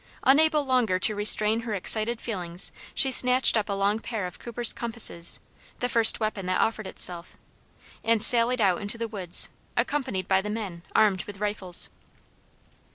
Unable longer to restrain her excited feelings, she snatched up a long pair of cooper's compasses the first weapon that offered itself and sallied out into the woods, accompanied by the men, armed with rifles.